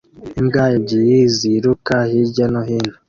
imbwa ebyiri ziruka hirya no hino